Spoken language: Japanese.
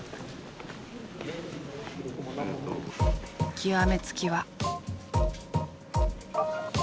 極め付きは。